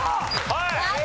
はい。